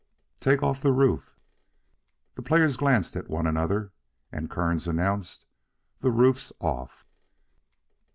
"Take off the roof." The players glanced at one another, and Kearns announced, "The roof's off."